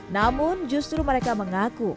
namun justru mereka mengaku